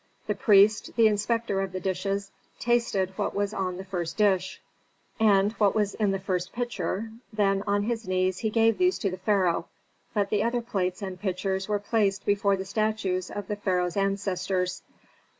The priest, the inspector of the dishes, tasted what was on the first dish, and what was in the first pitcher, then, on his knees, he gave these to the pharaoh, but the other plates and pitchers were placed before the statues of the pharaoh's ancestors.